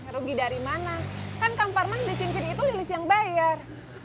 rugi dari mana kan kampar mana di cincin itu lilis yang bayar